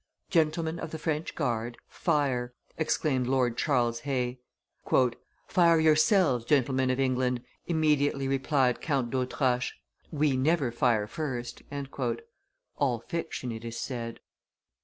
"Gentlemen of the French guard, fire!" exclaimed Lord Charles Hay. "Fire yourselves, gentlemen of England," immediately replied Count d'Auteroche; "we never fire first." [All fiction, it is said.